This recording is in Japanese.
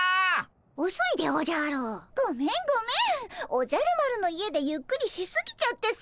おじゃる丸の家でゆっくりしすぎちゃってさ。